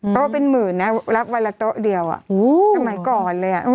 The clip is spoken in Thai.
โต๊ะเป็นหมื่นนะรับวันละโต๊ะเดียวอ่ะ